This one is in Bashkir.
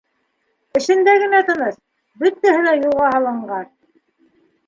Эшендә генә тыныс: бөтәһе лә юлға һалынған.